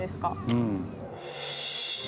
うん。